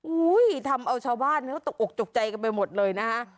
อุ้ยทำเอาชาวบ้านแล้วตกอกจกใจกันไปหมดเลยนะฮะ